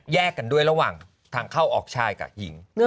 กันด้วยระหว่างทางเข้าออกชายกับหญิง